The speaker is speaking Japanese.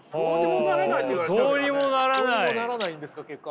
どうにもならないんですか結果。